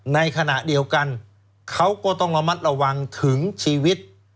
ในขณะเดียวกันเขาก็ต้องระมัดระวังถึงชีวิต